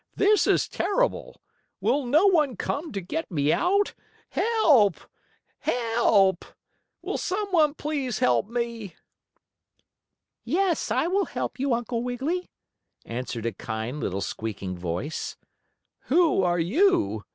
"This is terrible. Will no one come to get me out? Help! Help! Will some one please help me?" "Yes, I will help you, Uncle Wiggily," answered a kind, little squeaking voice. "Who are you?"